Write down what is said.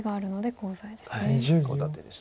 コウ立てです。